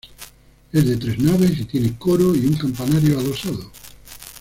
Es de tres naves y tiene coro y un campanario adosado.